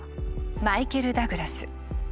マイケル・ダグラス。